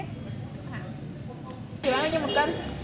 chị bán bao nhiêu một cân